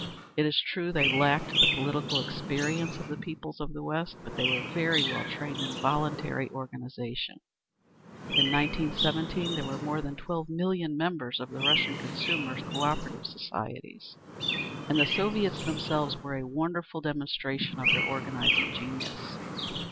It is true they lacked the political experience of the peoples of the West, but they were very well trained in voluntary organisation. In 1917 there were more than twelve million members of the Russian consumers' Cooperative societies; and the Soviets themselves are a wonderful demonstration of their organising genius.